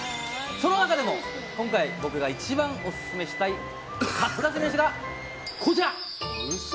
その中でも今回僕が一番オススメしたいカツカツ飯が、こちら！